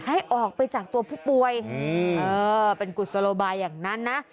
ให้ออกไปจากตัวผู้ป่วยเป็นกุศโลบายอย่างนั้นนะ